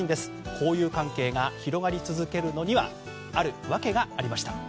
交友関係が広がり続けるのにはある訳がありました。